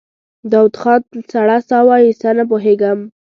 داوود خان سړه سا وايسته: نه پوهېږم.